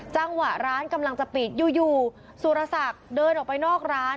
จังหวะร้านกำลังจะปิดอยู่สุรศักดิ์เดินออกไปนอกร้าน